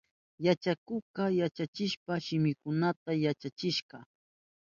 Yachakukka yachachikpa shiminkunata katichishka.